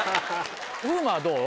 風磨はどう？